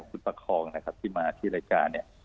คุณประคองนะครับที่มาที่รายการเนี่ย